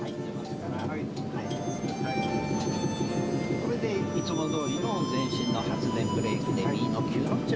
これでいつもどおりの前進の発電ブレーキで。